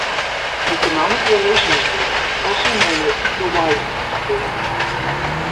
Economic Relations Group, also known as the "Wise Men's Group".